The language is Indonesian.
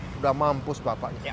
sudah mampus bapaknya